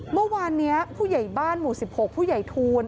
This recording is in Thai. เมื่อวานนี้ผู้ใหญ่บ้านหมู่๑๖ผู้ใหญ่ทูล